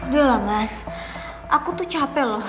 duh lah mas aku tuh capek loh